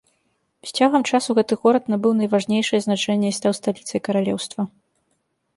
З цягам часу гэты горад набыў найважнейшае значэнне і стаў сталіцай каралеўства.